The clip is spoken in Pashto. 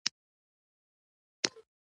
موږ باید په ارزښت او اهمیت یې پوه شو.